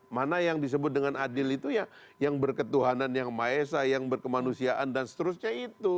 mana yang disebut dengan adil itu ya yang berketuhanan yang maesah yang berkemanusiaan dan seterusnya itu